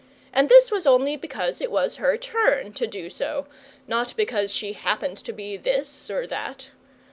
And this was only because it was her turn to do so, not because she happened to be this or that.